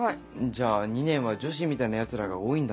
じゃあ２年は女子みたいなやつらが多いんだな。